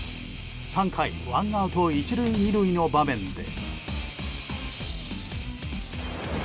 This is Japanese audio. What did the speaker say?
３回ワンアウト１塁２塁の場面で。